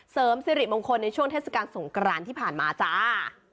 เสริมสิริมงคลในช่วงเทศกาลสงกรานที่ผ่านมาจ้า